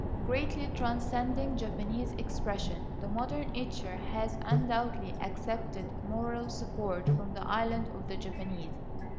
Greatly transcending Japanese expression, the modern etcher has undoubtedly accepted moral support from the islands of the Japanese.